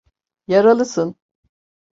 Yaralısın.